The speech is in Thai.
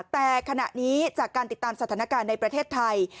แต่ขณะนี้จากการติดตามสถานการณ์ในประเทศไทย